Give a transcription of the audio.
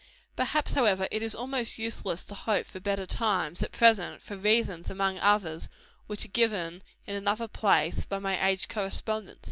Perhaps, however, it is almost useless to hope for better times, at present, for reasons, among others, which are given in another place by my aged correspondent.